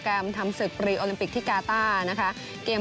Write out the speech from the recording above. แต่ว่าก็ยังไม่๑๐๐